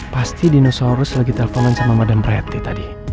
pasti dinosaurus lagi telponan sama madame pratt tadi